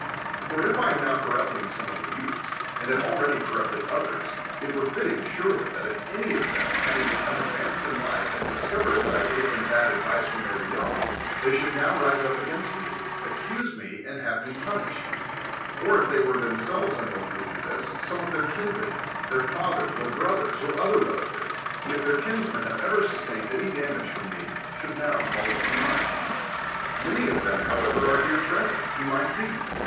For if I am now corrupting some of tlie youths, and have already corrupted others, it were fitting, surely, that if any of them, having become advanced in life, liad discovered that 1 gave tliem bad advice when they were young, they should now rise wp against mc, accuse me, and liavi; use iMUiislied ; or it' they were tliemsdvcs un\villir!g 1o do Ihis, some of their kindred, their fallu^rs, or l)roth(rs, or other 7'ela1ives, if their kinsmen have ever sus 1ain<'d any damage from me, should now call it to mind. .Many of them, liowever, are liei e ])resenl, 73 THE WORLD'S FAMOUS ORATIONS whom I see.